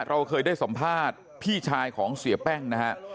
เราเคยได้สัมภาษณ์พี่ชายของเสียแป้งนะฮะ